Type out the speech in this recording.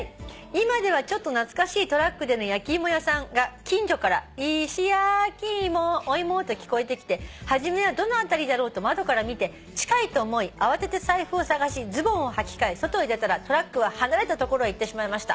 「今ではちょっと懐かしいトラックでの焼き芋屋さんが近所から『いしやきいもおいも』と聞こえてきて初めはどの辺りだろうと窓から見て近いと思い慌てて財布を捜しズボンをはき替え外へ出たらトラックは離れた所へ行ってしまいました」